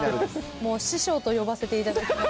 もう師匠と呼ばせていただきます。